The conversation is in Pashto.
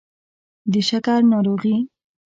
د شکر ناروغي